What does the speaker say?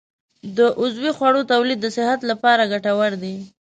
د عضوي خوړو تولید د صحت لپاره ګټور دی.